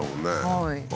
はい。